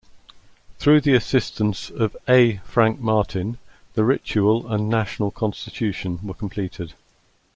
Through the assistance of A. Frank Martin, the ritual and National Constitution were completed.